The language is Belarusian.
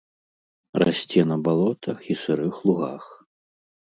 Расце на балотах і сырых лугах.